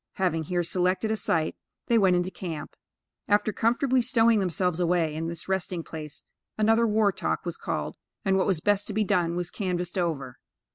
Having here selected a site, they went into camp. After comfortably stowing themselves away in this resting place, another "war talk" was called, and what was best to be done was canvassed over.